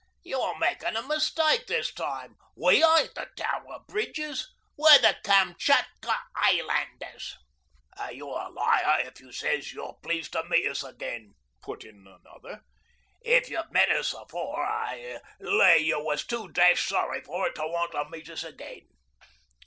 'You're makin' a mistake this time. We ain't the Tower Bridges. We're the Kamchatka 'Ighlanders.' 'An' you're a liar if you says you're pleased to meet us again,' put in another. 'If you've met us afore I lay you was too dash sorry for it to want to meet us again.'